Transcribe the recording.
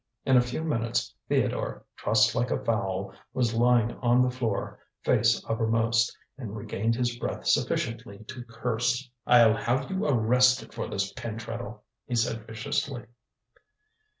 In a few minutes Theodore, trussed like a fowl, was lying on the floor, face uppermost, and regained his breath sufficiently to curse. "I'll have you arrested for this, Pentreddle," he said viciously.